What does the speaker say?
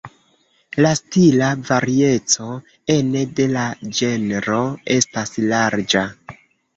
La stila varieco ene de la ĝenro estas larĝa.